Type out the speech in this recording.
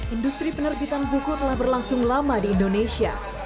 industri penerbitan buku telah berlangsung lama di indonesia